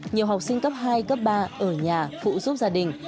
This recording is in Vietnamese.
nhiều học sinh cấp hai cấp ba ở nhà phụ giúp gia đình